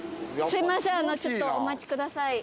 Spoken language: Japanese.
すいません、ちょっとお待ちください。